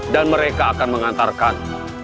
dan mereka akan mengantarkan